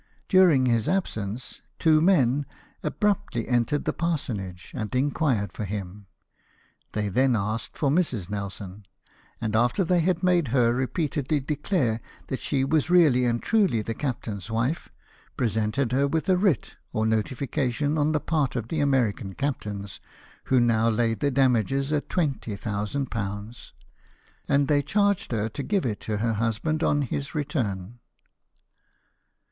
During his absence two men abruptly entered the parsonage, and inquired for him : they then asked for Mrs. Nelson ; and after they had made her repeatedly declare that she was really and truly the captain's wife, presented her. with a writ, or notification on the part of the American captains, who now laid their damages at £20,000, and they charged her to give it to her husband on his return.